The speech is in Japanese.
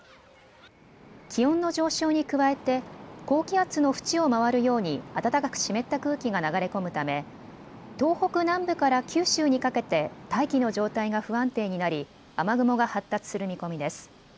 気温の上昇に加えて高気圧の縁を回るように暖かく湿った空気が流れ込むため東北南部から九州にかけて大気の状態が不安定になり雨雲が発達する見込みです。